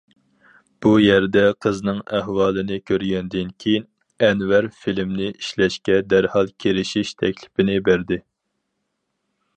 بۇ يەردە قىزنىڭ ئەھۋالىنى كۆرگەندىن كىيىن، ئەنۋەر فىلىمنى ئىشلەشكە دەرھال كىرىشىش تەكلىپىنى بەردى.